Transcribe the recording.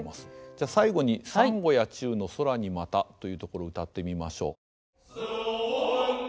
じゃあ最後に「三五夜中の空にまた」というところ謡ってみましょう。